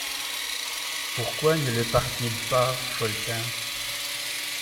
Pourquoi ne le parle-t-il pas, Folletin ?